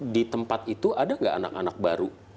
di tempat itu ada nggak anak anak baru